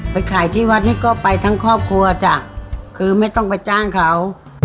ไปขายที่วัดนี้ก็ไปทั้งครอบครัวจ้ะคือไม่ต้องไปจ้างเขา